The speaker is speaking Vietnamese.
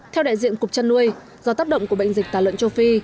theo đại diện cục trăn nuôi do táp động của bệnh dịch tà lợn châu phi